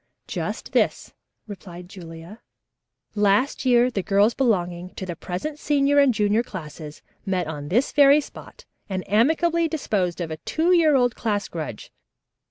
"Just this," replied Julia. "Last year the girls belonging to the present senior and junior classes met on this very spot and amicably disposed of a two year old class grudge.